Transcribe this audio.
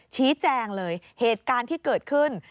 ชี้แจงเลยเหตุการณ์ที่เกิดขึ้น